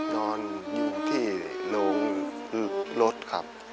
นอนอยู่ที่โรงรถครับ